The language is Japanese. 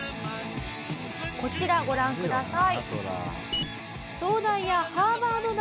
こちらご覧ください。